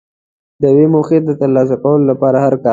د یوې موخې د ترلاسه کولو لپاره هر کال.